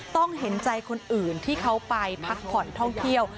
เห็นใจคนอื่นที่เขาไปพักผ่อนท่องเที่ยว